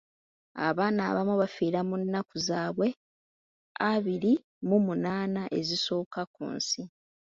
Abaana abamu bafiira mu nnnaku zaabwe abiri mu omunaana ezisooka ku nsi.